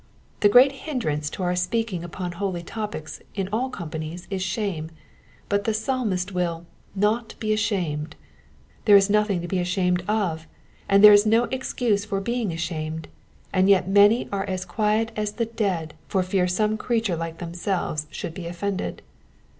The great hindrance to our speaking upon holy topics in all companies is shame, but the Psalmist will '^ not he aiSiamed^^' there is nothing to be ashamed of, and there is no excuse for being ashamed, and yet many are as quiet as the dead for fear some creature like themselves should be offended.